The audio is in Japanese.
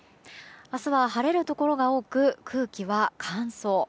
明日は晴れるところが多く空気は乾燥。